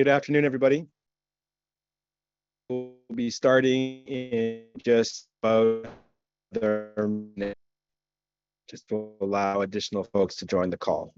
Good afternoon, everybody. We'll be starting in just about a minute, just to allow additional folks to join the call.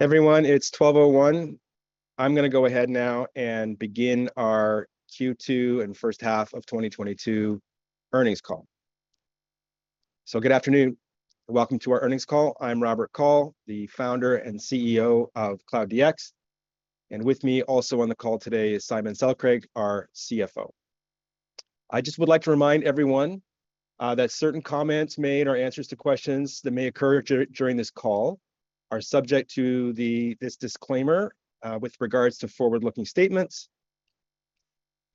Everyone, it's 12:01 P.M. I'm gonna go ahead now and begin our Q2 and first half of 2022 earnings call. Good afternoon, and welcome to our earnings call. I'm Robert Kaul, the founder and CEO of Cloud DX. With me also on the call today is Simon Selkrig, our CFO. I just would like to remind everyone that certain comments made or answers to questions that may occur during this call are subject to this disclaimer with regards to forward-looking statements.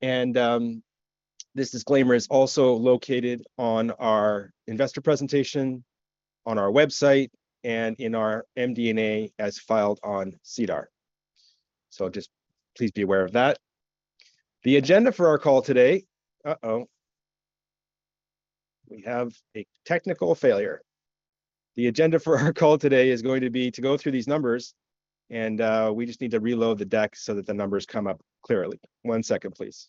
This disclaimer is also located on our investor presentation, on our website, and in our MD&A as filed on SEDAR. Just please be aware of that. The agenda for our call today. We have a technical failure. The agenda for our call today is going to be to go through these numbers, and, we just need to reload the deck so that the numbers come up clearly. One second please.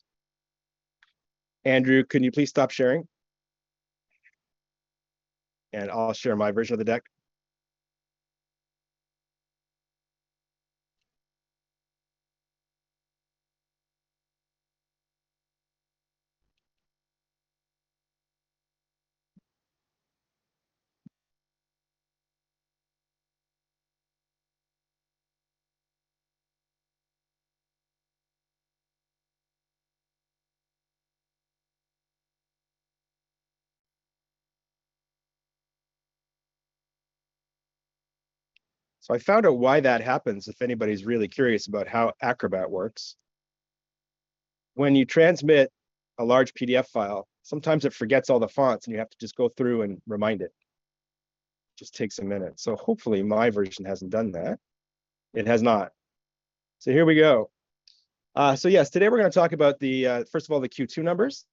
Andrew, can you please stop sharing? I'll share my version of the deck. I found out why that happens, if anybody's really curious about how Acrobat works. When you transmit a large PDF file, sometimes it forgets all the fonts, and you have to just go through and remind it. Just takes a minute. Hopefully my version hasn't done that. It has not. Here we go. Yes, today we're gonna talk about the, first of all, the Q2 numbers,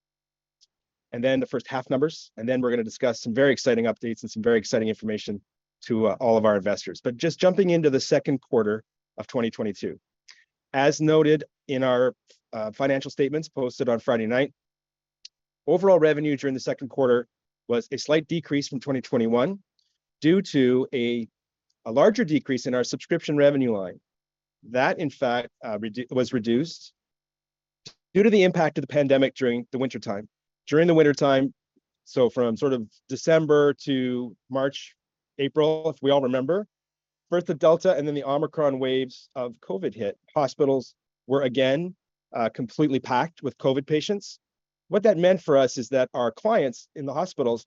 and then the first half numbers, and then we're gonna discuss some very exciting updates and some very exciting information to, all of our investors. Just jumping into the second quarter of 2022. As noted in our financial statements posted on Friday night, overall revenue during the second quarter was a slight decrease from 2021 due to a larger decrease in our subscription revenue line. That in fact was reduced due to the impact of the pandemic during the wintertime. During the wintertime, so from sort of December to March, April, if we all remember, first the Delta and then the Omicron waves of COVID hit. Hospitals were again completely packed with COVID patients. What that meant for us is that our clients in the hospitals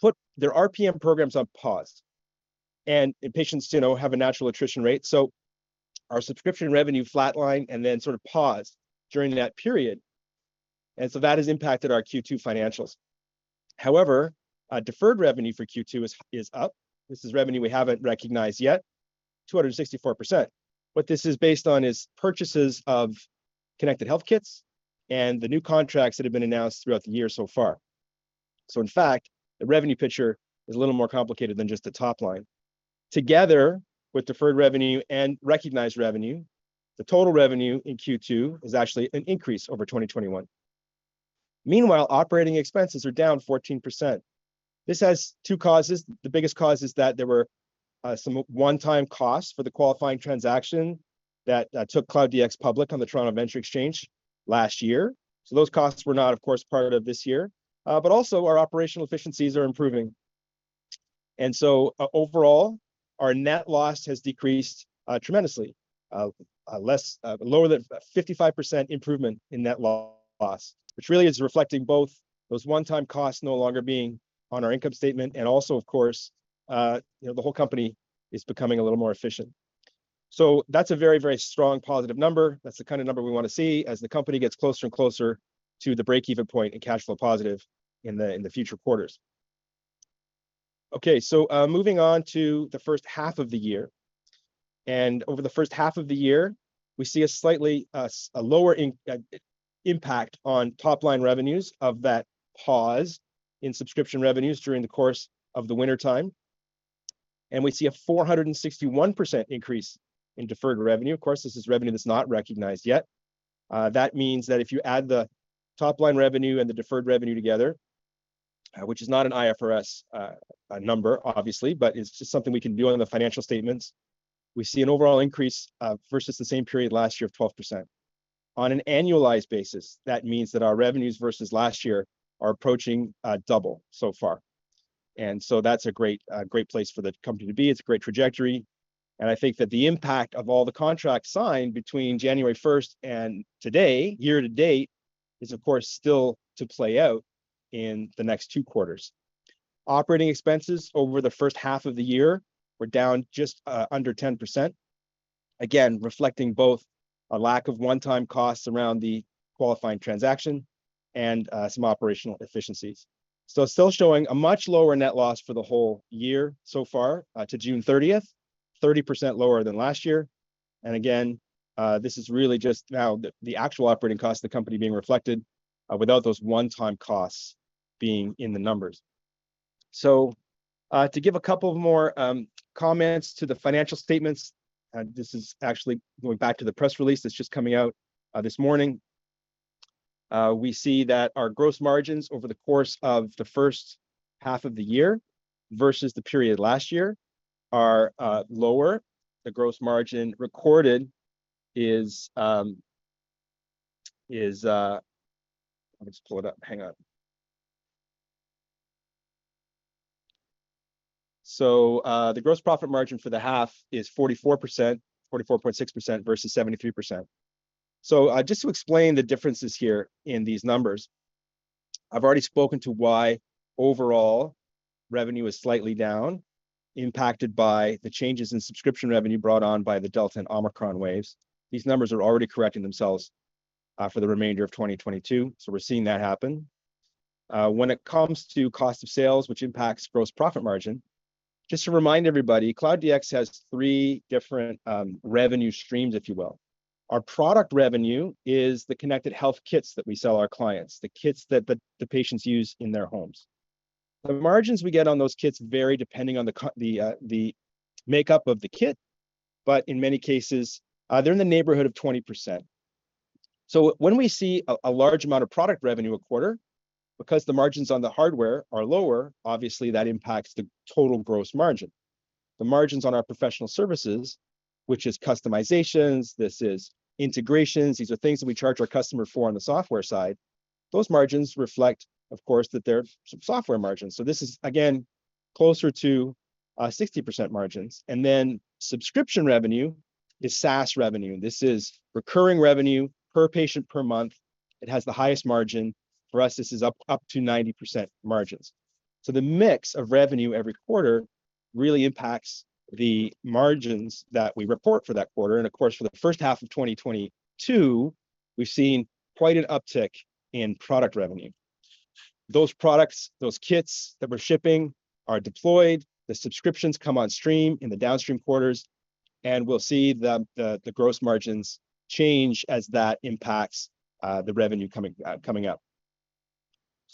put their RPM programs on pause. Patients, you know, have a natural attrition rate, so our subscription revenue flatlined and then sort of paused during that period. That has impacted our Q2 financials. However, deferred revenue for Q2 is up. This is revenue we haven't recognized yet, 264%. What this is based on is purchases of Connected Health kits and the new contracts that have been announced throughout the year so far. In fact, the revenue picture is a little more complicated than just the top line. Together with deferred revenue and recognized revenue, the total revenue in Q2 is actually an increase over 2021. Meanwhile, operating expenses are down 14%. This has two causes. The biggest cause is that there were some one-time costs for the qualifying transaction that took Cloud DX public on the TSX Venture Exchange last year. Those costs were not, of course, part of this year. But also our operational efficiencies are improving. Overall, our net loss has decreased tremendously. A lower than 55% improvement in net loss, which really is reflecting both those one-time costs no longer being on our income statement and also, of course, you know, the whole company is becoming a little more efficient. That's a very, very strong positive number. That's the kind of number we wanna see as the company gets closer and closer to the break-even point and cash flow positive in the future quarters. Okay, moving on to the first half of the year. Over the first half of the year, we see a slightly lower impact on top-line revenues of that pause in subscription revenues during the course of the wintertime. We see a 461% increase in deferred revenue. Of course, this is revenue that's not recognized yet. That means that if you add the top-line revenue and the deferred revenue together, which is not an IFRS number obviously, but it's just something we can do on the financial statements. We see an overall increase versus the same period last year of 12%. On an annualized basis, that means that our revenues versus last year are approaching double so far and so that's a great place for the company to be. It's a great trajectory and I think that the impact of all the contracts signed between January 1st and today, year to date, is of course still to play out in the next two quarters. Operating expenses over the first half of the year were down just under 10%. Again, reflecting both a lack of one-time costs around the qualifying transaction and some operational efficiencies. Still showing a much lower net loss for the whole year so far, to June 30th, 30% lower than last year. Again, this is really just now the actual operating cost of the company being reflected, without those one-time costs being in the numbers. To give a couple of more comments to the financial statements, this is actually going back to the press release that's just coming out, this morning. We see that our gross margins over the course of the first half of the year versus the period last year are lower. The gross margin recorded is-- The gross profit margin for the half is 44%, 44.6% versus 73%. Just to explain the differences here in these numbers, I've already spoken to why overall revenue is slightly down, impacted by the changes in subscription revenue brought on by the Delta and Omicron waves. These numbers are already correcting themselves for the remainder of 2022, so we're seeing that happen. When it comes to cost of sales, which impacts gross profit margin, just to remind everybody, Cloud DX has three different revenue streams, if you will. Our product revenue is the Connected Health Kits that we sell our clients, the kits that the patients use in their homes. The margins we get on those kits vary depending on the makeup of the kit, but in many cases, they're in the neighborhood of 20%. When we see a large amount of product revenue a quarter, because the margins on the hardware are lower, obviously that impacts the total gross margin. The margins on our professional services, which is customizations, this is integrations, these are things that we charge our customer for on the software side, those margins reflect, of course, that they're software margins. This is, again, closer to 60% margins. Then subscription revenue is SaaS revenue. This is recurring revenue per patient per month. It has the highest margin. For us, this is up to 90% margins. The mix of revenue every quarter really impacts the margins that we report for that quarter. Of course, for the first half of 2022, we've seen quite an uptick in product revenue. Those products, those kits that we're shipping are deployed, the subscriptions come on stream in the downstream quarters, and we'll see the gross margins change as that impacts the revenue coming up.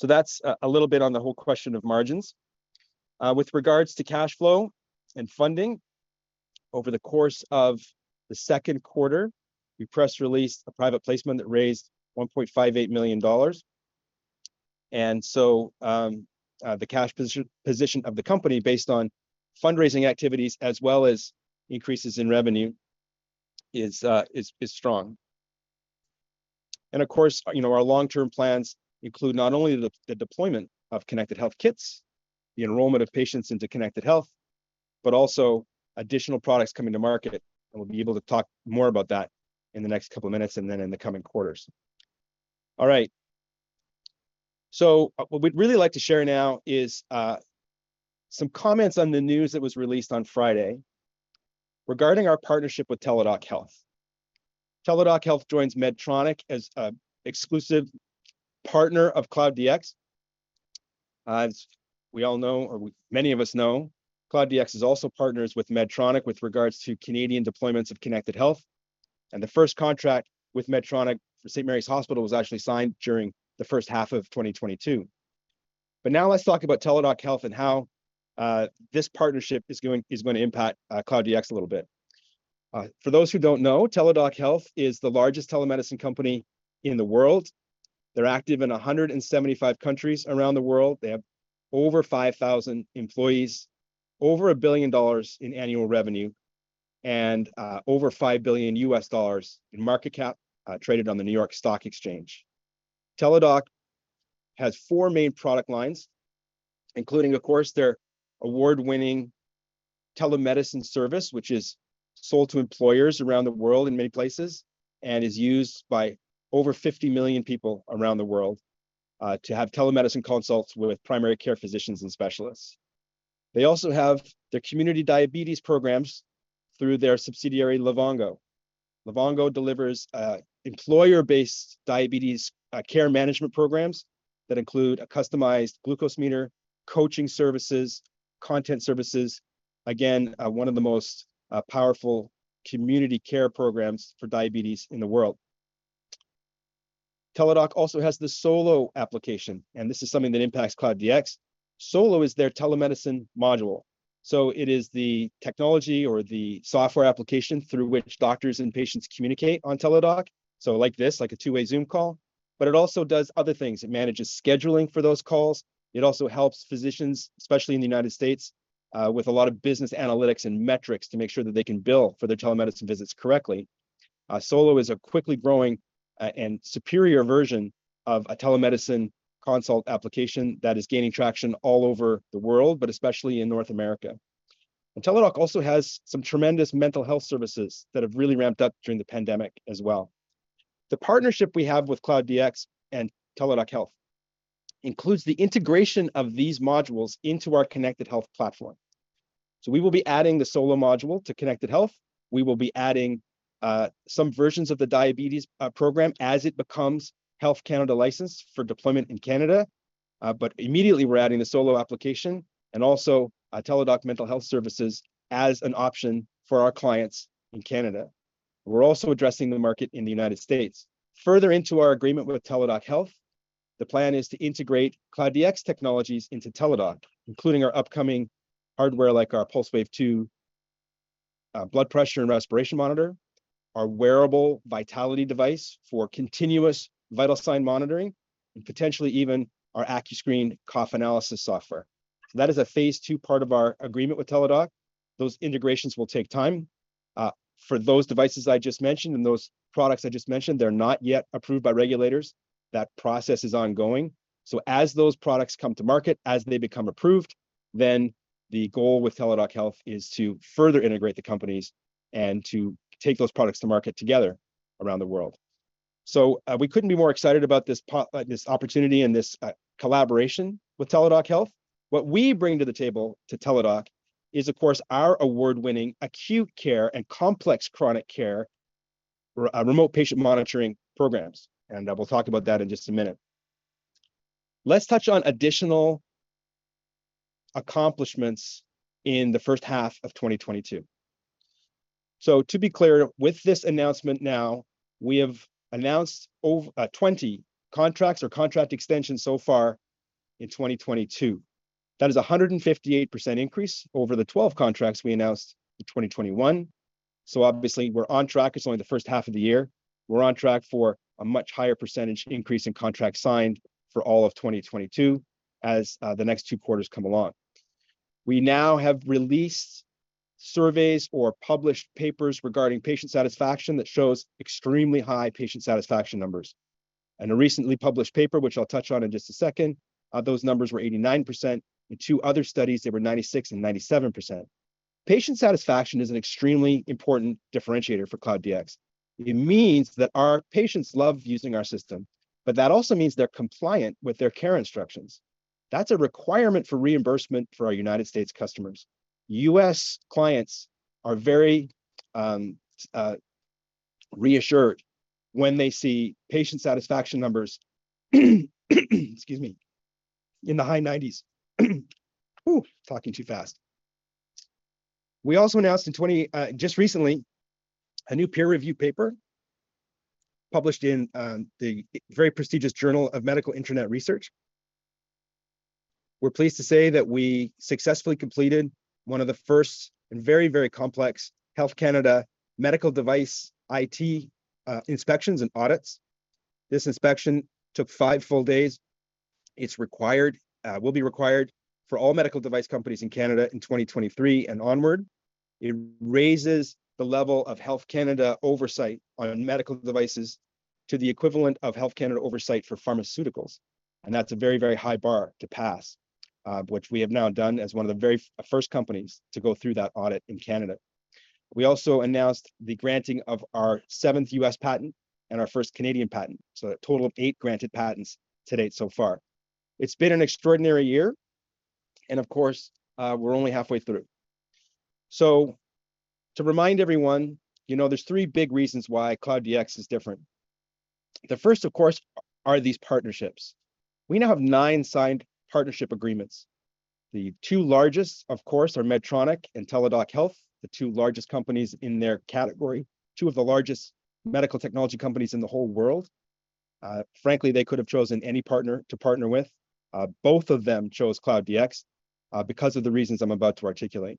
That's a little bit on the whole question of margins. With regards to cash flow and funding, over the course of the second quarter, we press released a private placement that raised 1.58 million dollars. The cash position of the company based on fundraising activities as well as increases in revenue is strong. Of course, you know, our long-term plans include not only the deployment of Connected Health kits, the enrollment of patients into Connected Health, but also additional products coming to market. We'll be able to talk more about that in the next couple of minutes and then in the coming quarters. All right. What we'd really like to share now is some comments on the news that was released on Friday regarding our partnership with Teladoc Health. Teladoc Health joins Medtronic as an exclusive partner of Cloud DX. As we all know, many of us know, Cloud DX is also partners with Medtronic with regards to Canadian deployments of Connected Health, and the first contract with Medtronic for St. Mary's General Hospital was actually signed during the first half of 2022. Now let's talk about Teladoc Health and how this partnership is going, is gonna impact Cloud DX a little bit. For those who don't know, Teladoc Health is the largest telemedicine company in the world. They're active in 175 countries around the world. They have over 5,000 employees, over $1 billion in annual revenue, and over $5 billion in market cap traded on the New York Stock Exchange. Teladoc Health has four main product lines, including, of course, their award-winning telemedicine service, which is sold to employers around the world in many places and is used by over 50 million people around the world to have telemedicine consults with primary care physicians and specialists. They also have their community diabetes programs through their subsidiary Livongo. Livongo delivers employer-based diabetes care management programs that include a customized glucose meter, coaching services, content services. Again, one of the most powerful community care programs for diabetes in the world. Teladoc Health also has the Solo application, and this is something that impacts Cloud DX. Solo is their telemedicine module, so it is the technology or the software application through which doctors and patients communicate on Teladoc, so like this, like a two-way Zoom call, but it also does other things. It manages scheduling for those calls. It also helps physicians, especially in the United States, with a lot of business analytics and metrics to make sure that they can bill for their telemedicine visits correctly. Solo is a quickly growing and superior version of a telemedicine consult application that is gaining traction all over the world, but especially in North America. Teladoc also has some tremendous mental health services that have really ramped up during the pandemic as well. The partnership we have with Cloud DX and Teladoc Health includes the integration of these modules into our Connected Health platform. We will be adding the Solo module to Connected Health. We will be adding some versions of the diabetes program as it becomes Health Canada licensed for deployment in Canada. Immediately we're adding the Solo application and also Teladoc mental health services as an option for our clients in Canada. We're also addressing the market in the United States. Further into our agreement with Teladoc Health, the plan is to integrate Cloud DX technologies into Teladoc, including our upcoming hardware like our Pulsewave 2 blood pressure and respiration monitor, our wearable Vitaliti device for continuous vital sign monitoring, and potentially even our AcuScreen cough analysis software. That is a phase II part of our agreement with Teladoc. Those integrations will take time. For those devices I just mentioned and those products I just mentioned, they're not yet approved by regulators. That process is ongoing. As those products come to market, as they become approved, then the goal with Teladoc Health is to further integrate the companies and to take those products to market together around the world. We couldn't be more excited about this opportunity and this collaboration with Teladoc Health. What we bring to the table to Teladoc is of course our award-winning acute care and complex chronic care remote patient monitoring programs, and we'll talk about that in just a minute. Let's touch on additional accomplishments in the first half of 2022. To be clear, with this announcement now, we have announced 20 contracts or contract extensions so far in 2022. That is a 158% increase over the 12 contracts we announced in 2021. Obviously we're on track. It's only the first half of the year. We're on track for a much higher percentage increase in contracts signed for all of 2022 as the next two quarters come along. We now have released surveys or published papers regarding patient satisfaction that shows extremely high patient satisfaction numbers. In a recently published paper, which I'll touch on in just a second, those numbers were 89%. In two other studies, they were 96% and 97%. Patient satisfaction is an extremely important differentiator for Cloud DX. It means that our patients love using our system, but that also means they're compliant with their care instructions. That's a requirement for reimbursement for our United States customers. U.S. clients are very reassured when they see patient satisfaction numbers, excuse me, in the high 90s. Ooh, talking too fast. We also announced just recently a new peer review paper published in the very prestigious Journal of Medical Internet Research. We're pleased to say that we successfully completed one of the first and very, very complex Health Canada medical device audit inspections and audits. This inspection took five full days. It will be required for all medical device companies in Canada in 2023 and onward. It raises the level of Health Canada oversight on medical devices to the equivalent of Health Canada oversight for pharmaceuticals, and that's a very, very high bar to pass, which we have now done as one of the very first companies to go through that audit in Canada. We also announced the granting of our seventh U.S. patent and our first Canadian patent, so a total of eight granted patents to date so far. It's been an extraordinary year, and of course, we're only halfway through. To remind everyone, you know, there's three big reasons why Cloud DX is different. The first, of course, are these partnerships. We now have nine signed partnership agreements. The two largest, of course, are Medtronic and Teladoc Health, the two largest companies in their category, two of the largest medical technology companies in the whole world. Frankly, they could have chosen any partner to partner with. Both of them chose Cloud DX, because of the reasons I'm about to articulate.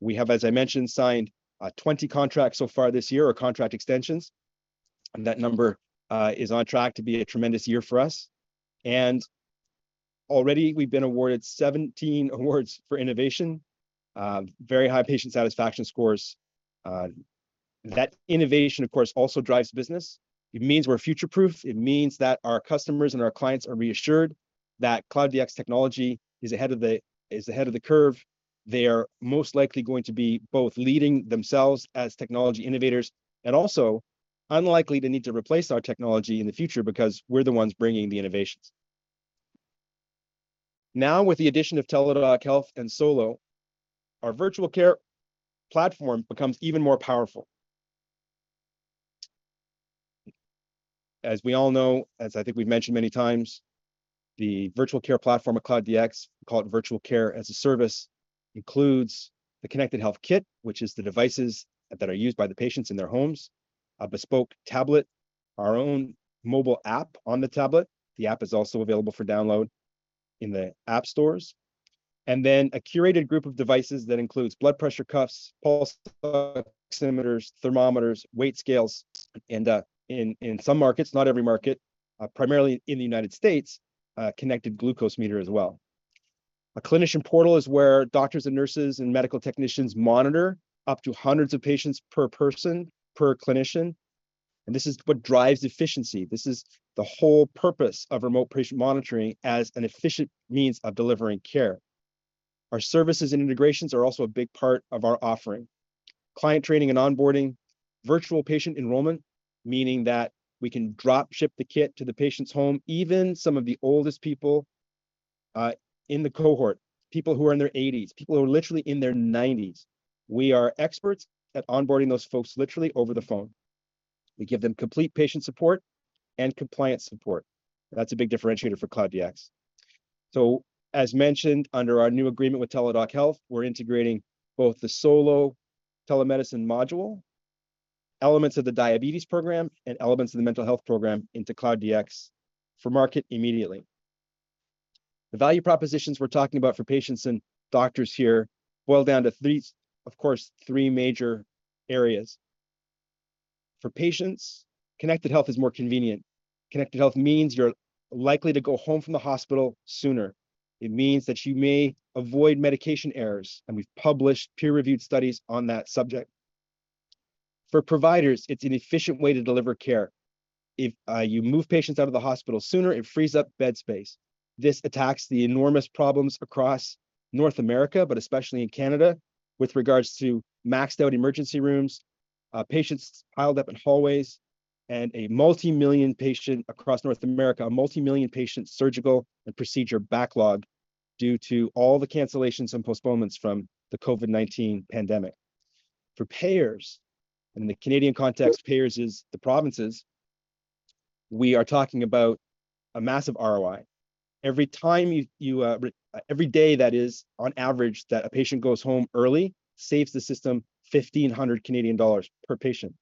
We have, as I mentioned, signed, 20 contracts so far this year or contract extensions, and that number is on track to be a tremendous year for us. Already we've been awarded 17 awards for innovation. Very high patient satisfaction scores. That innovation, of course, also drives business. It means we're future-proof. It means that our customers and our clients are reassured that Cloud DX technology is ahead of the curve. They are most likely going to be both leading themselves as technology innovators and also unlikely to need to replace our technology in the future because we're the ones bringing the innovations. Now, with the addition of Teladoc Health and Solo, our virtual care platform becomes even more powerful. As we all know, as I think we've mentioned many times, the virtual care platform at Cloud DX, we call it Virtual Care as-a-Service, includes the Connected Health Kit, which is the devices that are used by the patients in their homes, a bespoke tablet, our own mobile app on the tablet. The app is also available for download in the app stores. A curated group of devices that includes blood pressure cuffs, pulse oximeters, thermometers, weight scales, and, in some markets, not every market. Primarily in the United States, a connected glucose meter as well. A clinician portal is where doctors and nurses and medical technicians monitor up to hundreds of patients per person, per clinician, and this is what drives efficiency. This is the whole purpose of remote patient monitoring as an efficient means of delivering care. Our services and integrations are also a big part of our offering. Client training and onboarding, virtual patient enrollment, meaning that we can drop ship the kit to the patient's home, even some of the oldest people, in the cohort, people who are in their eighties, people who are literally in their nineties. We are experts at onboarding those folks literally over the phone. We give them complete patient support and compliance support. That's a big differentiator for Cloud DX. As mentioned, under our new agreement with Teladoc Health, we're integrating both the Solo telemedicine module, elements of the diabetes program, and elements of the mental health program into Cloud DX for market immediately. The value propositions we're talking about for patients and doctors here boil down to three, of course, three major areas. For patients, Connected Health is more convenient. Connected Health means you're likely to go home from the hospital sooner. It means that you may avoid medication errors, and we've published peer-reviewed studies on that subject. For providers, it's an efficient way to deliver care. If you move patients out of the hospital sooner, it frees up bed space. This attacks the enormous problems across North America, but especially in Canada, with regards to maxed out emergency rooms, patients piled up in hallways, and a multi-million patient surgical and procedure backlog across North America due to all the cancellations and postponements from the COVID-19 pandemic. For payers, in the Canadian context, payers is the provinces, we are talking about a massive ROI. Every day that is on average that a patient goes home early saves the system 1,500 Canadian dollars per patient.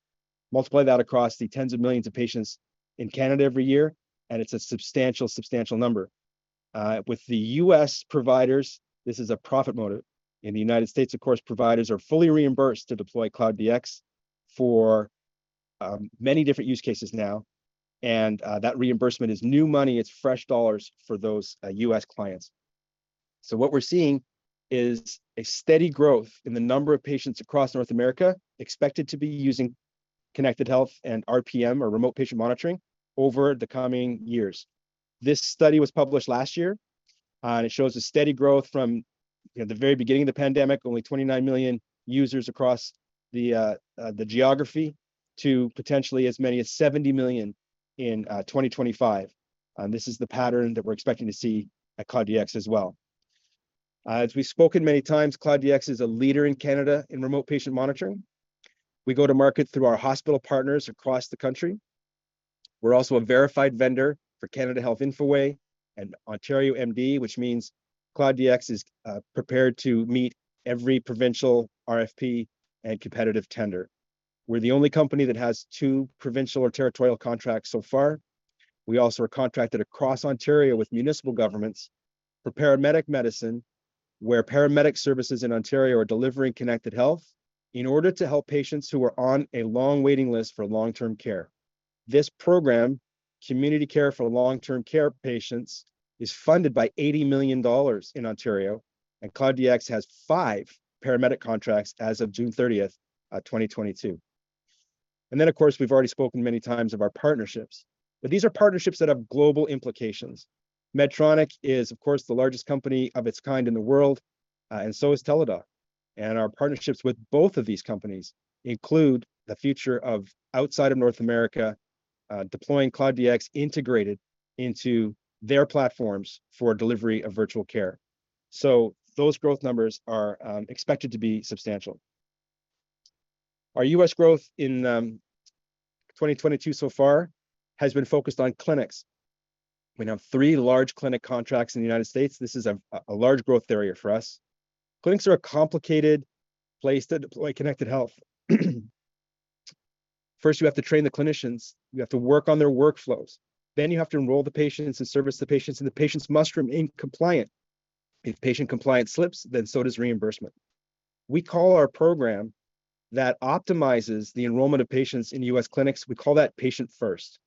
Multiply that across the tens of millions of patients in Canada every year, and it's a substantial number. With the U.S. providers, this is a profit motive. In the United States, of course, providers are fully reimbursed to deploy Cloud DX for many different use cases now, and that reimbursement is new money, it's fresh dollars for those U.S. clients. What we're seeing is a steady growth in the number of patients across North America expected to be using Connected Health and RPM, or remote patient monitoring, over the coming years. This study was published last year, and it shows a steady growth from, you know, the very beginning of the pandemic, only 29 million users across the geography, to potentially as many as 70 million in 2025. This is the pattern that we're expecting to see at Cloud DX as well. As we've spoken many times, Cloud DX is a leader in Canada in remote patient monitoring. We go to market through our hospital partners across the country. We're also a verified vendor for Canada Health Infoway and OntarioMD, which means Cloud DX is prepared to meet every provincial RFP and competitive tender. We're the only company that has two provincial or territorial contracts so far. We also are contracted across Ontario with municipal governments for paramedic medicine, where paramedic services in Ontario are delivering connected health in order to help patients who are on a long waiting list for long-term care. This program, Community Care for Long-Term Care Patients, is funded by 80 million dollars in Ontario, and Cloud DX has five paramedic contracts as of June thirtieth, 2022. Of course, we've already spoken many times of our partnerships, but these are partnerships that have global implications. Medtronic is, of course, the largest company of its kind in the world, and so is Teladoc. Our partnerships with both of these companies include the future of outside of North America, deploying Cloud DX integrated into their platforms for delivery of virtual care. Those growth numbers are expected to be substantial. Our U.S. growth in 2022 so far has been focused on clinics. We now have three large clinic contracts in the United States. This is a large growth area for us. Clinics are a complicated place to deploy Connected Health. First, you have to train the clinicians, you have to work on their workflows, then you have to enroll the patients and service the patients, and the patients must remain compliant. If patient compliance slips, then so does reimbursement. We call our program that optimizes the enrollment of patients in U.S. clinics Patient-First.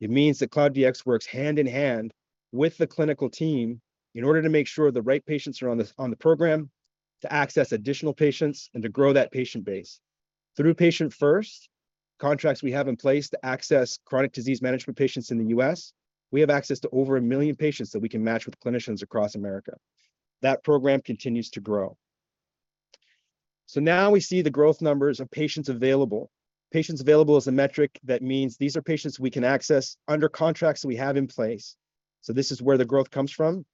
It means that Cloud DX works hand in hand with the clinical team in order to make sure the right patients are on the program to access additional patients and to grow that patient base. Through Patient-First contracts we have in place to access chronic disease management patients in the U.S., we have access to over 1 million patients that we can match with clinicians across America. That program continues to grow. Now we see the growth numbers of patients available. Patients available is a metric that means these are patients we can access under contracts that we have in place. This is where the growth comes from.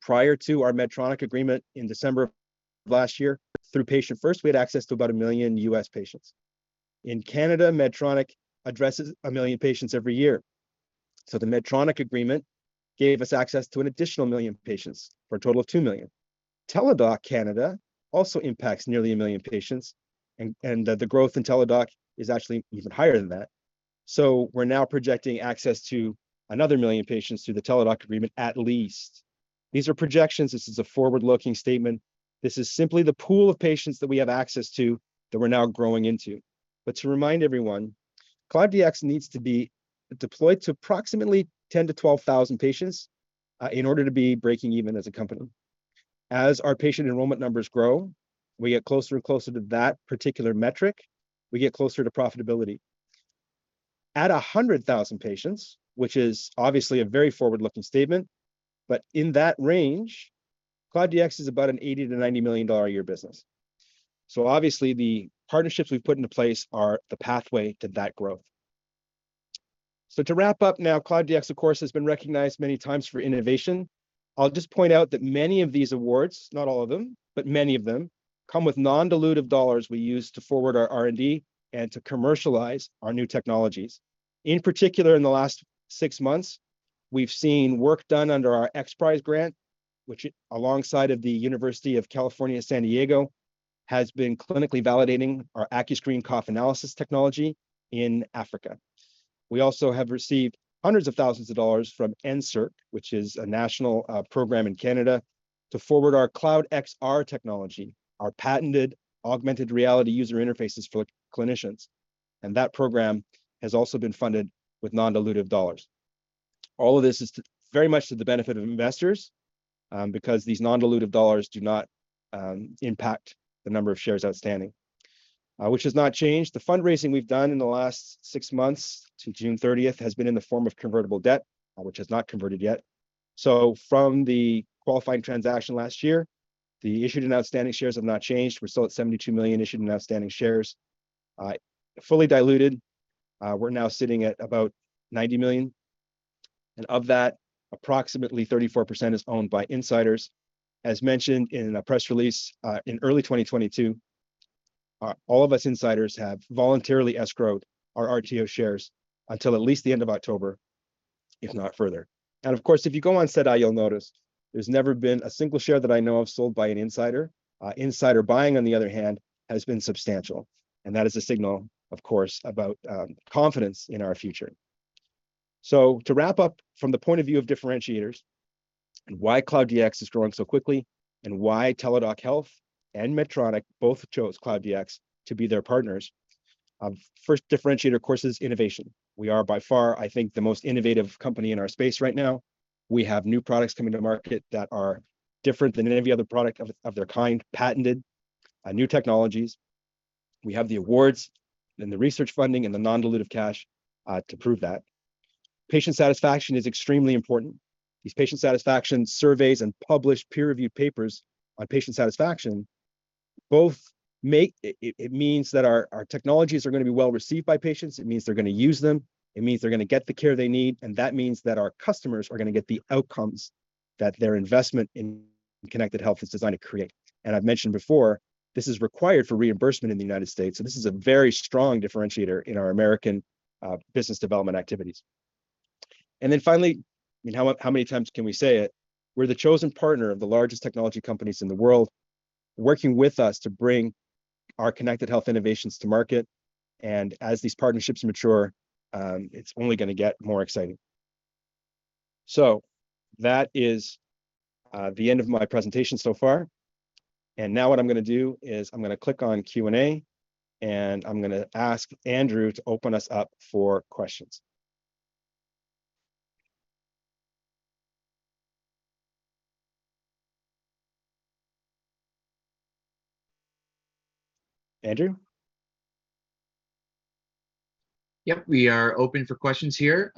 Prior to our Medtronic agreement in December of last year, through Patient-First, we had access to about 1 million U.S. patients. In Canada, Medtronic addresses 1 million patients every year. The Medtronic agreement gave us access to an additional 1 million patients for a total of 2 million. Teladoc Canada also impacts nearly 1 million patients and the growth in Teladoc is actually even higher than that. We're now projecting access to another 1 million patients through the Teladoc agreement at least. These are projections. This is a forward-looking statement. This is simply the pool of patients that we have access to that we're now growing into. To remind everyone, Cloud DX needs to be deployed to approximately 10-12,000 patients in order to be breaking even as a company. As our patient enrollment numbers grow, we get closer and closer to that particular metric, we get closer to profitability. At 100,000 patients, which is obviously a very forward-looking statement, but in that range, Cloud DX is about a 80 million-90 million dollar a year business. Obviously, the partnerships we've put into place are the pathway to that growth. To wrap up now, Cloud DX, of course, has been recognized many times for innovation. I'll just point out that many of these awards, not all of them, but many of them, come with non-dilutive dollars we use to forward our R&D and to commercialize our new technologies. In particular, in the last six months, we've seen work done under our XPRIZE grant, which, alongside of the University of California San Diego, has been clinically validating our AcuScreen cough analysis technology in Africa. We also have received hundreds of thousands dollars from NSERC, which is a national program in Canada, to forward our Cloud XR technology, our patented augmented reality user interfaces for clinicians. That program has also been funded with non-dilutive dollras. All of this is very much to the benefit of investors, because these non-dilutive dollars do not impact the number of shares outstanding, which has not changed. The fundraising we've done in the last six months to June 30 has been in the form of convertible debt, which has not converted yet. From the qualifying transaction last year, the issued and outstanding shares have not changed. We're still at 72 million issued and outstanding shares. Fully diluted, we're now sitting at about 90 million, and of that, approximately 34% is owned by insiders. As mentioned in a press release, in early 2022, all of us insiders have voluntarily escrowed our RTO shares until at least the end of October, if not further. Of course, if you go on SEDI, you'll notice there's never been a single share that I know of sold by an insider. Insider buying, on the other hand, has been substantial, and that is a signal, of course, about confidence in our future. To wrap up from the point of view of differentiators and why Cloud DX is growing so quickly and why Teladoc Health and Medtronic both chose Cloud DX to be their partners. First differentiator, of course, is innovation. We are by far, I think, the most innovative company in our space right now. We have new products coming to market that are different than any other product of their kind, patented, new technologies. We have the awards and the research funding and the non-dilutive cash to prove that. Patient satisfaction is extremely important. These patient satisfaction surveys and published peer-reviewed papers on patient satisfaction both make it means that our technologies are gonna be well-received by patients. It means they're gonna use them. It means they're gonna get the care they need, and that means that our customers are gonna get the outcomes that their investment in Connected Health is designed to create. I've mentioned before, this is required for reimbursement in the United States, so this is a very strong differentiator in our American business development activities. Then finally, I mean, how many times can we say it? We're the chosen partner of the largest technology companies in the world working with us to bring our connected health innovations to market. As these partnerships mature, it's only gonna get more exciting. That is the end of my presentation so far. Now what I'm gonna do is I'm gonna click on Q&A, and I'm gonna ask Andrew to open us up for questions. Andrew? Yep, we are open for questions here.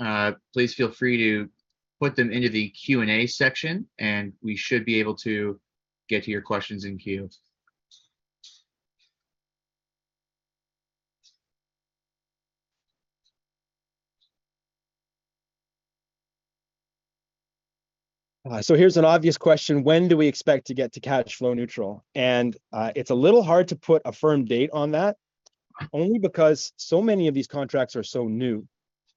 Please feel free to put them into the Q&A section, and we should be able to get to your questions in queue. Here's an obvious question. When do we expect to get to cash flow neutral? It's a little hard to put a firm date on that only because so many of these contracts are so new.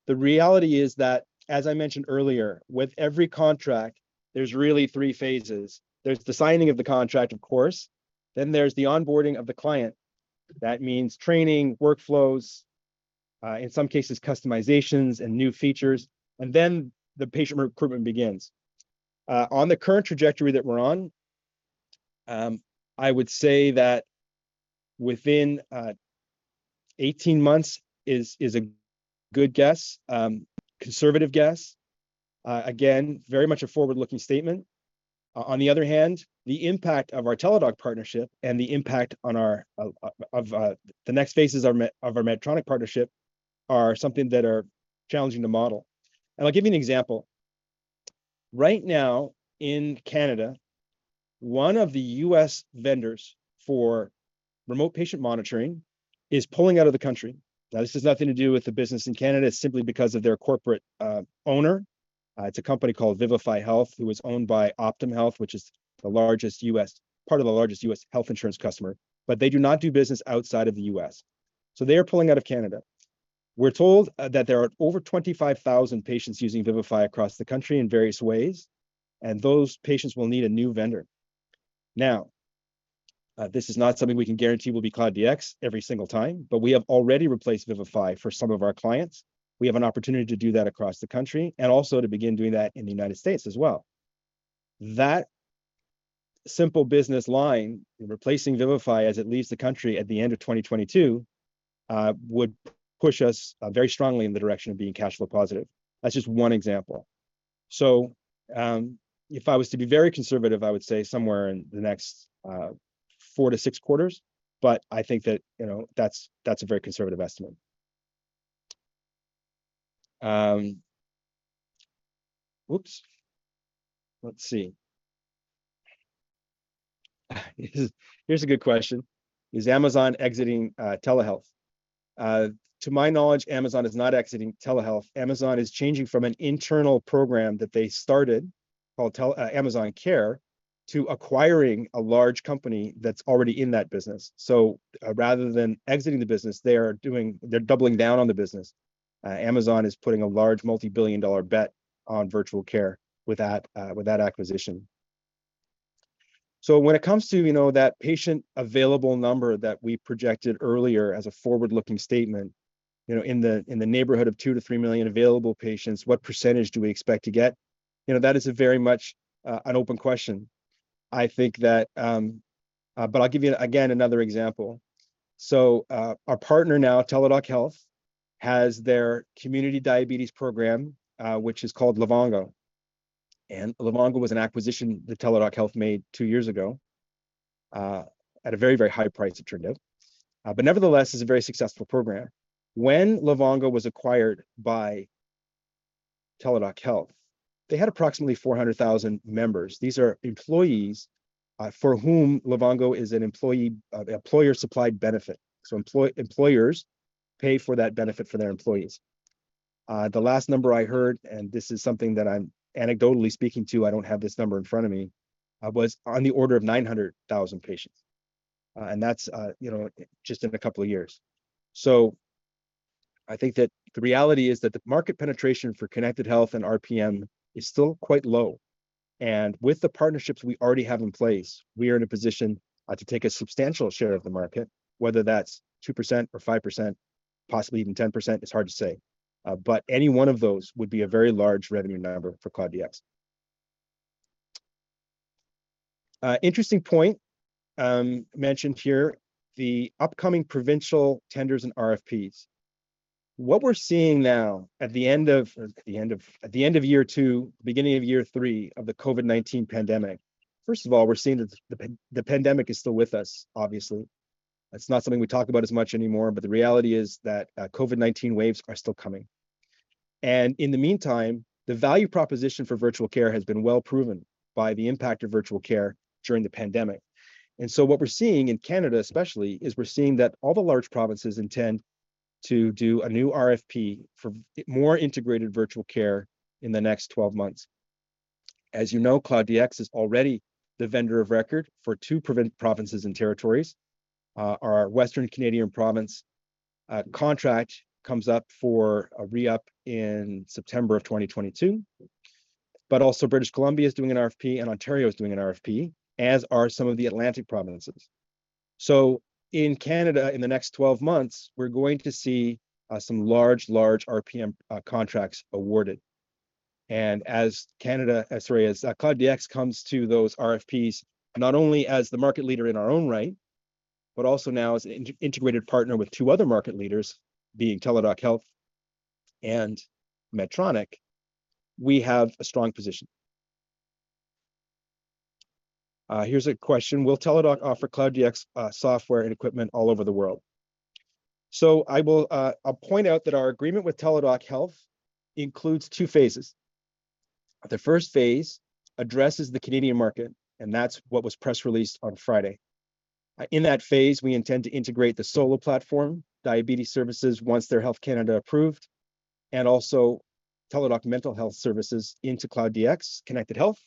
The reality is that, as I mentioned earlier, with every contract, there's really three phases. There's the signing of the contract, of course, then there's the onboarding of the client. That means training, workflows, in some cases, customizations and new features, and then the patient recruitment begins. On the current trajectory that we're on, I would say that within 18 months is a good guess, conservative guess. Again, very much a forward-looking statement. On the other hand, the impact of our Teladoc partnership and the impact on our. The next phases of our Medtronic partnership are something that are challenging to model, and I'll give you an example. Right now, in Canada, one of the U.S. vendors for remote patient monitoring is pulling out of the country. Now, this has nothing to do with the business in Canada. It's simply because of their corporate owner. It's a company called Vivify Health who is owned by Optum Health, which is part of the largest U.S. health insurance company. But they do not do business outside of the U.S., so they are pulling out of Canada. We're told that there are over 25,000 patients using Vivify across the country in various ways, and those patients will need a new vendor. This is not something we can guarantee will be Cloud DX every single time, but we have already replaced Vivify for some of our clients. We have an opportunity to do that across the country and also to begin doing that in the United States as well. That simple business line, replacing Vivify as it leaves the country at the end of 2022, would push us very strongly in the direction of being cash flow positive. That's just one example. If I was to be very conservative, I would say somewhere in the next four to six quarters, but I think that, you know, that's a very conservative estimate. Here's a good question. Is Amazon exiting telehealth? To my knowledge, Amazon is not exiting telehealth. Amazon is changing from an internal program that they started called Amazon Care to acquiring a large company that's already in that business. Rather than exiting the business, they are doing—they're doubling down on the business. Amazon is putting a large multi-billion-dollar bet on virtual care with that acquisition. When it comes to that patient available number that we projected earlier as a forward-looking statement, in the neighborhood of 2 million-3 million available patients, what percentage do we expect to get? That is a very much an open question. I think that I'll give you, again, another example. Our partner now, Teladoc Health, has their community diabetes program, which is called Livongo. Livongo was an acquisition that Teladoc Health made two years ago at a very, very high price, it turned out. Nevertheless, it's a very successful program. When Livongo was acquired by Teladoc Health, they had approximately 400,000 members. These are employees for whom Livongo is an employer-supplied benefit. Employers pay for that benefit for their employees. The last number I heard, and this is something that I'm anecdotally speaking to, I don't have this number in front of me, was on the order of 900,000 patients. That's, you know, just in a couple of years. I think that the reality is that the market penetration for Connected Health and RPM is still quite low. With the partnerships we already have in place, we are in a position to take a substantial share of the market, whether that's 2% or 5%, possibly even 10%, it's hard to say. But any one of those would be a very large revenue number for Cloud DX. Interesting point mentioned here, the upcoming provincial tenders and RFPs. What we're seeing now at the end of year two, beginning of year three of the COVID-19 pandemic, first of all, we're seeing that the pandemic is still with us, obviously. That's not something we talk about as much anymore, but the reality is that COVID-19 waves are still coming. In the meantime, the value proposition for virtual care has been well proven by the impact of virtual care during the pandemic. What we're seeing in Canada especially is we're seeing that all the large provinces intend to do a new RFP for more integrated virtual care in the next 12 months. As you know, Cloud DX is already the vendor of record for two provinces and territories. Our Western Canadian province contract comes up for a re-up in September of 2022, but also British Columbia is doing an RFP and Ontario is doing an RFP, as are some of the Atlantic provinces. In Canada, in the next 12 months, we're going to see some large RPM contracts awarded. Cloud DX comes to those RFPs, not only as the market leader in our own right, but also now as an integrated partner with two other market leaders, being Teladoc Health and Medtronic, we have a strong position. Here's a question. Will Teladoc offer Cloud DX software and equipment all over the world? I will point out that our agreement with Teladoc Health includes two phases. The first phase addresses the Canadian market, and that's what was press released on Friday. In that phase, we intend to integrate the Solo platform, diabetes services once they're Health Canada approved, and also Teladoc mental health services into Cloud DX Connected Health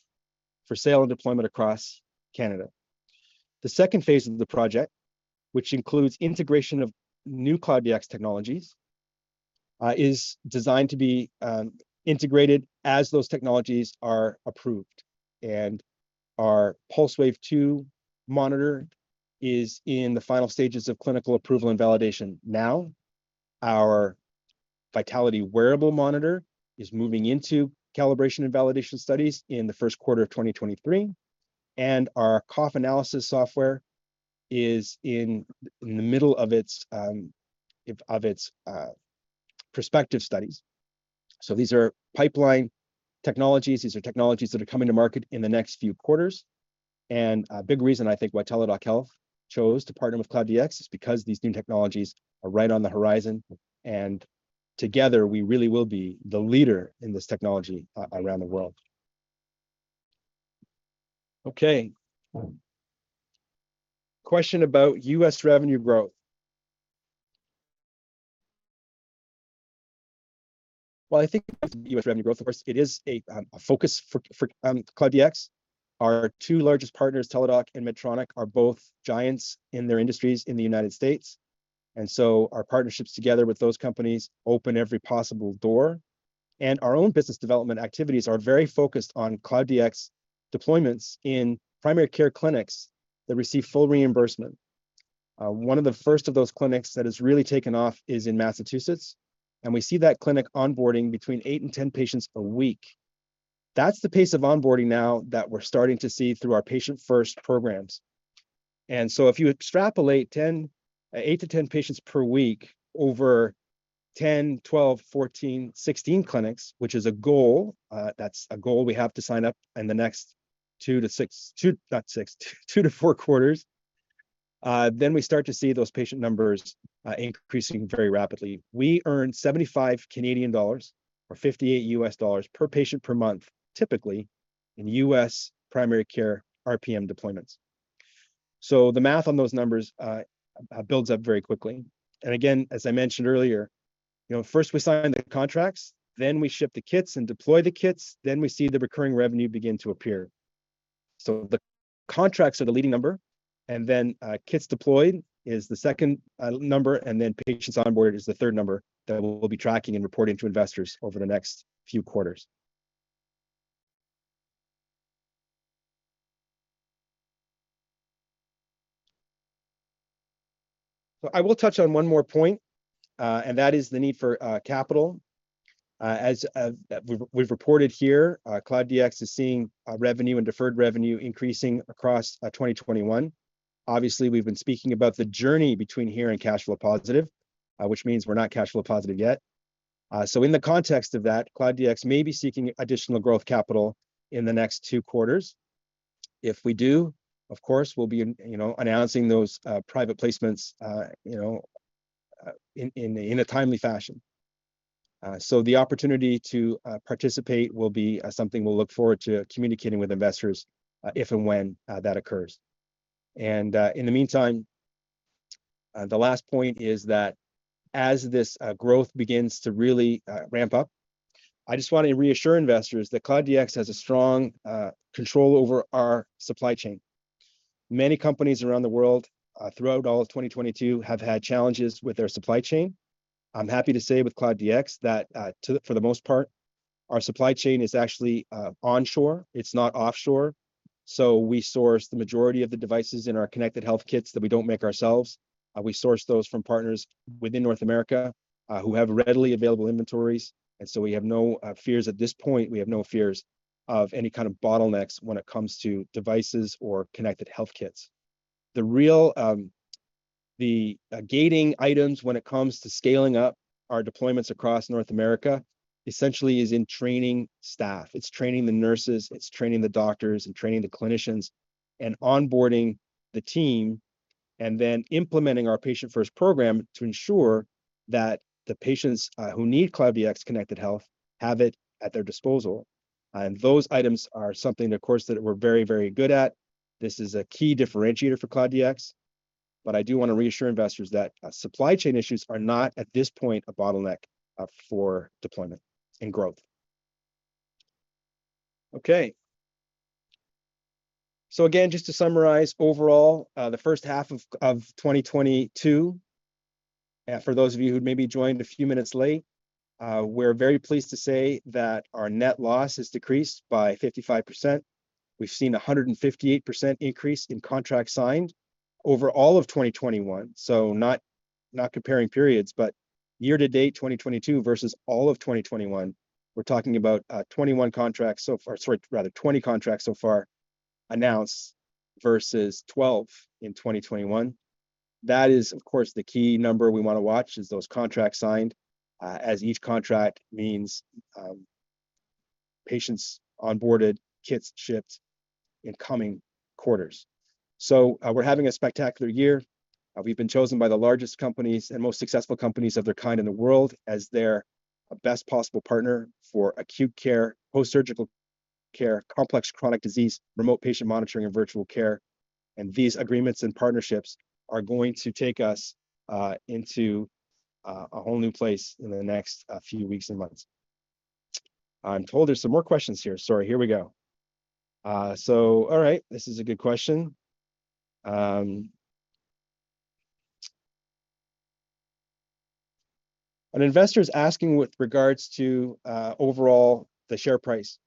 for sale and deployment across Canada. The second phase of the project, which includes integration of new Cloud DX technologies, is designed to be integrated as those technologies are approved. Our Pulsewave 2.0 monitor is in the final stages of clinical approval and validation now. Our Vitaliti wearable monitor is moving into calibration and validation studies in the first quarter of 2023. Our cough analysis software is in the middle of its prospective studies. These are pipeline technologies. These are technologies that are coming to market in the next few quarters. A big reason I think why Teladoc Health chose to partner with Cloud DX is because these new technologies are right on the horizon, and together, we really will be the leader in this technology around the world. Okay. Question about U.S. revenue growth. Well, I think with U.S. revenue growth, of course, it is a focus for Cloud DX. Our two largest partners, Teladoc and Medtronic, are both giants in their industries in the United States. Our partnerships together with those companies open every possible door and our own business development activities are very focused on Cloud DX deployments in primary care clinics that receive full reimbursement. One of the first of those clinics that has really taken off is in Massachusetts, and we see that clinic onboarding between eight and 10 patients a week. That's the pace of onboarding now that we're starting to see through our Patient-First programs. If you extrapolate 10 Eight to 10 patients per week over 10, 12, 14, 16 clinics, which is a goal, that's a goal we have to sign up in the next two to four quarters, then we start to see those patient numbers increasing very rapidly. We earn 75 Canadian dollars or $58 per patient per month, typically in U.S. primary care RPM deployments. The math on those numbers builds up very quickly. Again, as I mentioned earlier, you know, first we sign the contracts, then we ship the kits and deploy the kits, then we see the recurring revenue begin to appear. The contracts are the leading number, and then, kits deployed is the second, number, and then patients onboard is the third number that we'll be tracking and reporting to investors over the next few quarters. I will touch on one more point, and that is the need for capital. As we've reported here, Cloud DX is seeing revenue and deferred revenue increasing across 2021. Obviously, we've been speaking about the journey between here and cash flow positive, which means we're not cash flow positive yet. In the context of that, Cloud DX may be seeking additional growth capital in the next two quarters. If we do, of course, we'll be, you know, announcing those, you know, private placements, you know, in a timely fashion. The opportunity to participate will be something we'll look forward to communicating with investors, if and when that occurs. In the meantime, the last point is that as this growth begins to really ramp up, I just want to reassure investors that Cloud DX has a strong control over our supply chain. Many companies around the world, throughout all of 2022 have had challenges with their supply chain. I'm happy to say with Cloud DX that, for the most part, our supply chain is actually onshore, it's not offshore, so we source the majority of the devices in our Connected Health Kits that we don't make ourselves. We source those from partners within North America, who have readily available inventories, and so we have no fears at this point of any kind of bottlenecks when it comes to devices or Connected Health kits. The real gating items when it comes to scaling up our deployments across North America essentially is in training staff. It's training the nurses, it's training the doctors, and training the clinicians, and onboarding the team, and then implementing our Patient-First program to ensure that the patients who need Cloud DX Connected Health have it at their disposal. Those items are something, of course, that we're very, very good at. This is a key differentiator for Cloud DX, but I do wanna reassure investors that supply chain issues are not, at this point, a bottleneck for deployment and growth. Okay. Again, just to summarize overall, the first half of 2022, for those of you who maybe joined a few minutes late, we're very pleased to say that our net loss has decreased by 55%. We've seen a 158% increase in contracts signed over all of 2021. Not comparing periods, but year to date, 2022 versus all of 2021, we're talking about 21 contracts so far. Sorry, rather 20 contracts so far announced versus 12 in 2021. That is, of course, the key number we wanna watch is those contracts signed, as each contract means patients onboarded, kits shipped in coming quarters. We're having a spectacular year. We've been chosen by the largest companies and most successful companies of their kind in the world as their best possible partner for acute care, post-surgical care, complex chronic disease, remote patient monitoring, and virtual care. These agreements and partnerships are going to take us into a whole new place in the next few weeks and months. I'm told there's some more questions here. Sorry, here we go. All right. This is a good question. An investor's asking with regards to overall the share price,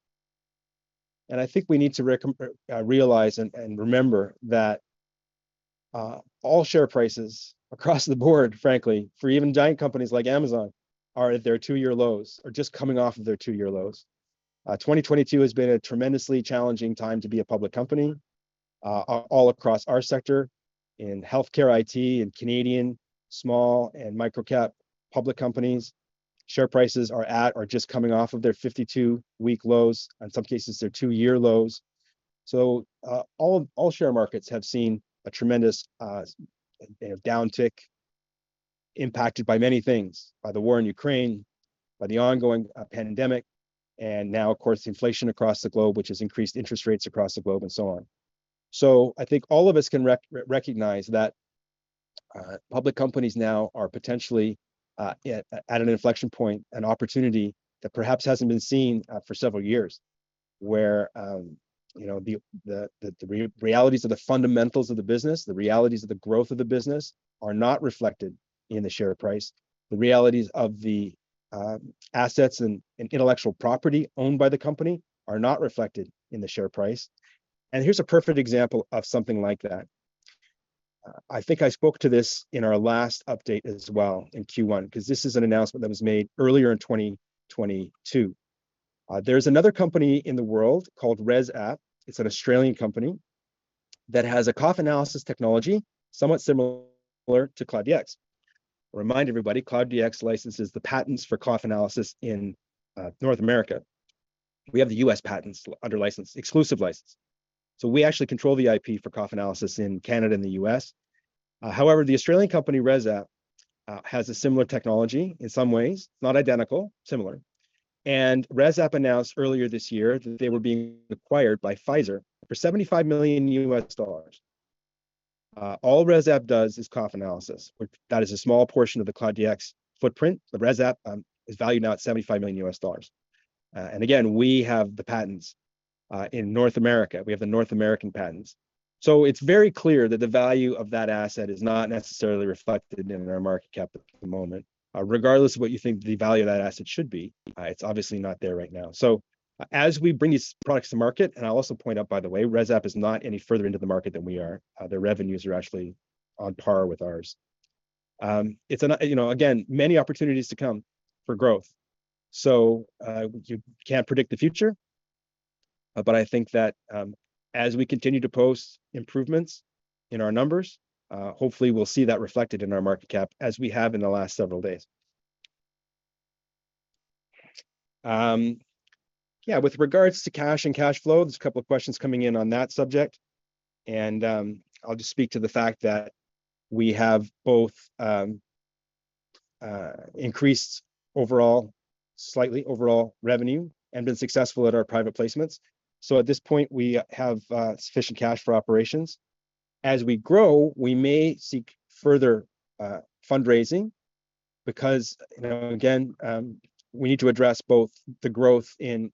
and I think we need to realize and remember that all share prices across the board, frankly, for even giant companies like Amazon, are at their two-year lows or just coming off of their two-year lows. 2022 has been a tremendously challenging time to be a public company, all across our sector in healthcare IT and Canadian small and micro-cap public companies, share prices are at or just coming off of their 52-week lows, in some cases, their two year lows. All share markets have seen a tremendous, you know, downtick impacted by many things, by the war in Ukraine, by the ongoing pandemic, and now of course, the inflation across the globe, which has increased interest rates across the globe, and so on. I think all of us can recognize that public companies now are potentially at an inflection point, an opportunity that perhaps hasn't been seen for several years where you know the realities of the fundamentals of the business, the realities of the growth of the business are not reflected in the share price. The realities of the assets and intellectual property owned by the company are not reflected in the share price. Here's a perfect example of something like that. I think I spoke to this in our last update as well in Q1, 'cause this is an announcement that was made earlier in 2022. There's another company in the world called ResApp. It's an Australian company that has a cough analysis technology somewhat similar to Cloud DX. Remind everybody, Cloud DX licenses the patents for cough analysis in North America. We have the US patents under license, exclusive license, so we actually control the IP for cough analysis in Canada and the U.S. However, the Australian company, ResApp, has a similar technology in some ways, not identical, similar. ResApp announced earlier this year that they were being acquired by Pfizer for $75 million. All ResApp does is cough analysis, which is a small portion of the Cloud DX footprint, but ResApp is valued now at $75 million. Again, we have the patents in North America. We have the North American patents. It's very clear that the value of that asset is not necessarily reflected in our market cap at the moment. Regardless of what you think the value of that asset should be, it's obviously not there right now. As we bring these products to market, and I'll also point out, by the way, ResApp is not any further into the market than we are. Their revenues are actually on par with ours. It's, you know, again, many opportunities to come for growth. You can't predict the future, but I think that, as we continue to post improvements in our numbers, hopefully we'll see that reflected in our market cap, as we have in the last several days. Yeah, with regards to cash and cash flow, there's a couple of questions coming in on that subject, and I'll just speak to the fact that we have both increased overall revenue slightly, and been successful at our private placements. At this point, we have sufficient cash for operations. As we grow, we may seek further fundraising because, you know, again, we need to address both the growth in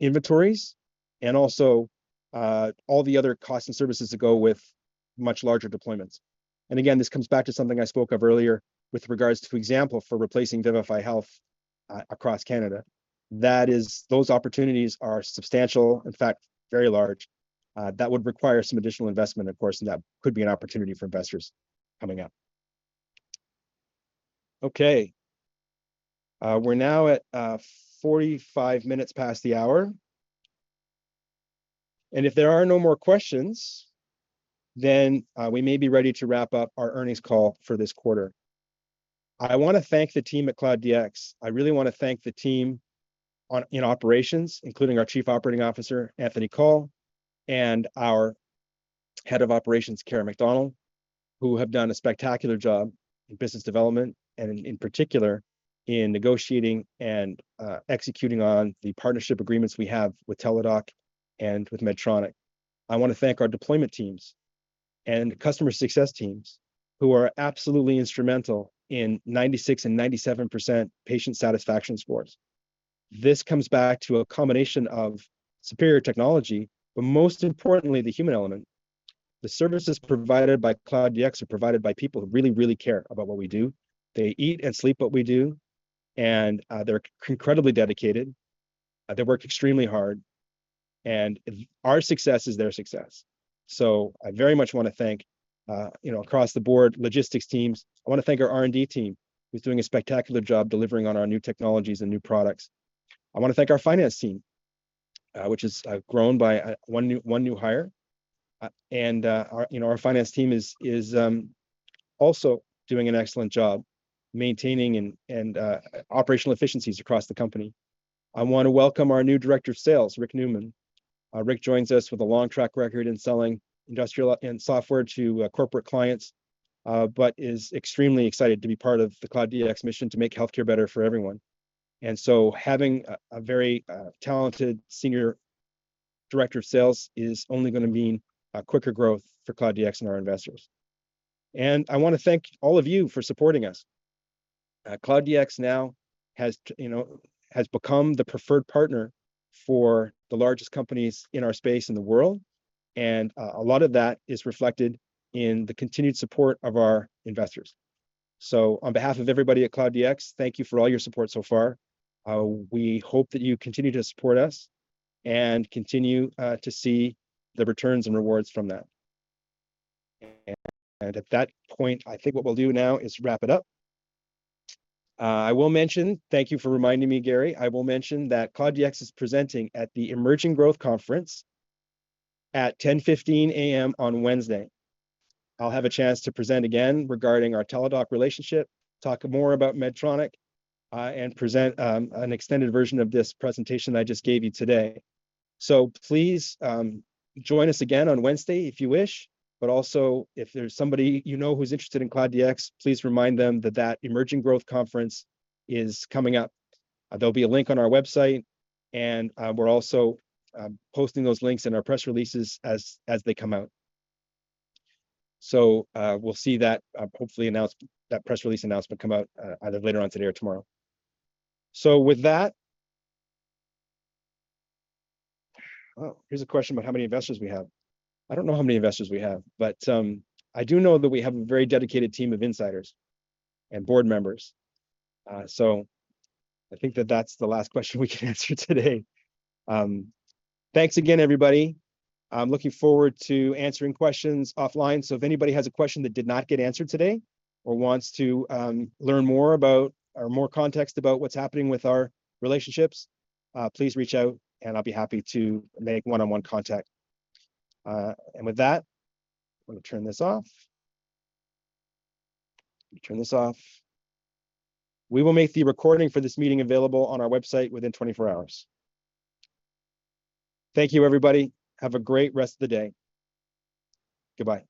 inventories and also all the other costs and services that go with much larger deployments. Again, this comes back to something I spoke of earlier with regards to, for example, replacing Vivify Health across Canada. That is, those opportunities are substantial, in fact, very large. That would require some additional investment, of course, and that could be an opportunity for investors coming up. Okay. We're now at 45 minutes past the hour, and if there are no more questions, then we may be ready to wrap up our earnings call for this quarter. I wanna thank the team at Cloud DX. I really wanna thank the team in operations, including our Chief Operating Officer, Anthony Kaul, and our Head of Operations, Cara MacDonald, who have done a spectacular job in business development and in particular in negotiating and executing on the partnership agreements we have with Teladoc and with Medtronic. I wanna thank our deployment teams and customer success teams who are absolutely instrumental in 96% and 97% patient satisfaction scores. This comes back to a combination of superior technology, but most importantly, the human element. The services provided by Cloud DX are provided by people who really, really care about what we do. They eat and sleep what we do, and they're incredibly dedicated. They work extremely hard, and our success is their success. I very much wanna thank, you know, across the board, logistics teams. I wanna thank our R&D team, who's doing a spectacular job delivering on our new technologies and new products. I wanna thank our finance team, which has grown by one new hire. You know, our finance team is also doing an excellent job maintaining operational efficiencies across the company. I wanna welcome our new Director of Sales, Rick Newman. Rick joins us with a long track record in selling industrial and software to corporate clients, but is extremely excited to be part of the Cloud DX mission to make healthcare better for everyone. Having a very talented Senior Director of Sales is only gonna mean quicker growth for Cloud DX and our investors. I wanna thank all of you for supporting us. Cloud DX now, you know, has become the preferred partner for the largest companies in our space in the world, and a lot of that is reflected in the continued support of our investors. On behalf of everybody at Cloud DX, thank you for all your support so far. We hope that you continue to support us and continue to see the returns and rewards from that. At that point, I think what we'll do now is wrap it up. I will mention, thank you for reminding me, Gary. I will mention that Cloud DX is presenting at the Emerging Growth Conference at 10:15 A.M. on Wednesday. I'll have a chance to present again regarding our Teladoc relationship, talk more about Medtronic, and present an extended version of this presentation I just gave you today. Please join us again on Wednesday if you wish, but also if there's somebody you know who's interested in Cloud DX, please remind them that the Emerging Growth Conference is coming up. There'll be a link on our website, and we're also posting those links in our press releases as they come out. We'll see that hopefully that press release announcement come out either later on today or tomorrow. With that. Oh, here's a question about how many investors we have. I don't know how many investors we have, but I do know that we have a very dedicated team of insiders and board members. I think that that's the last question we can answer today. Thanks again, everybody. I'm looking forward to answering questions offline, so if anybody has a question that did not get answered today or wants to learn more about or more context about what's happening with our relationships, please reach out, and I'll be happy to make one-on-one contact. With that, I'm gonna turn this off. We will make the recording for this meeting available on our website within 24-hours. Thank you, everybody. Have a great rest of the day. Goodbye.